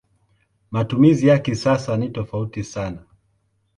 Matumizi ya kisasa ni tofauti sana.